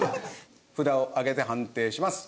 札を上げて判定します。